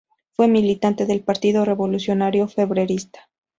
Fue militante del Partido Revolucionario Febrerista.